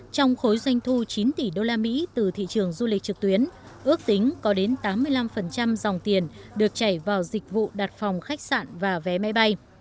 trong khối doanh thu chín tỷ usd từ thị trường du lịch trực tuyến ước tính có đến tám mươi năm dòng tiền được chảy vào dịch vụ đặt phòng khách sạn và vé máy bay